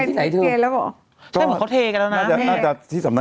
ที่ไหนเธอแกแล้วอ่ะใช่เหมือนเขาเทกันแล้วน่าจะที่สำนัก